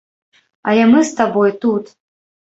Але мы з табой тут.